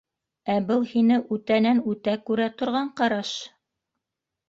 Ә был һине үтәнән-үтә күрә торған ҡараш?